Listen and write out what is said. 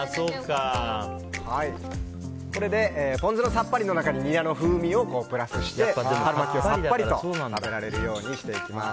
これでポン酢のさっぱりの中にニラの風味をプラスして春巻きをさっぱりと食べられるようにしていきます。